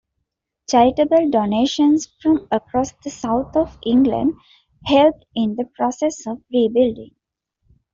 Charitable donations from across the south of England helped in the process of rebuilding.